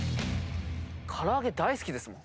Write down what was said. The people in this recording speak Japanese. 唐揚げ大好きですもん。